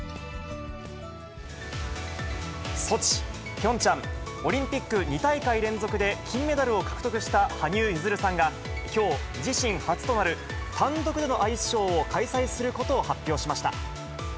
ソチ、ピョンチャン、オリンピック２大会連続で金メダルを獲得した羽生結弦さんが、きょう、自身初となる単独でのアイスショーを開催することを発表しました。